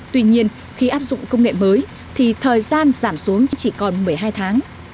tuy nhiên khi áp dụng công nghệ mới thì thời gian giảm xuống chỉ còn một mươi hai tháng